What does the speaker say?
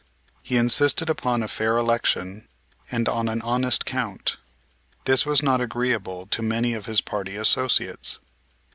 He insisted upon a fair election and an honest count. This was not agreeable to many of his party associates.